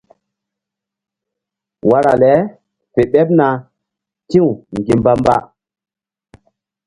Wara le fe ɓeɓna ti̧w ŋgi̧mba-mba.